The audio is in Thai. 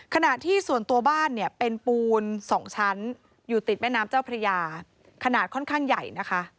ขณะที่ส่วนตัวบ้านเนี่ยเป็นปูน๒ชั้นอยู่ติดแม่น้ำเจ้าพระยาขนาดค่อนข้างใหญ่นะคะ